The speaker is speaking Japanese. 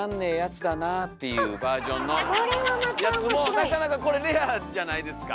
なかなかこれレアじゃないですか？